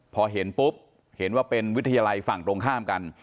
พอเห็นปุ๊บเห็นว่าเป็นวิทยาลัยฝั่งตรงข้ามกัน